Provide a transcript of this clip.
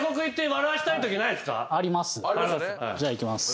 じゃあいきます。